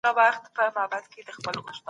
د پوستکي ساتنه وکړه